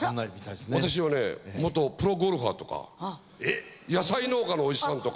私は元プロゴルファーとか野菜農家のおじさんとか。